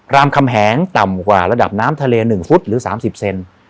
รามคำแหงต่ำกว่าระดับน้ำทะเลหนึ่งฟุตหรือสามสิบเซน